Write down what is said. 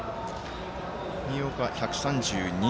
新岡、１３２。